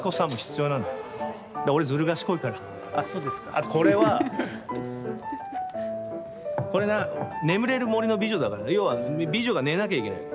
あと、これは「眠れる森の美女」だから要は美女が寝なきゃいけないの。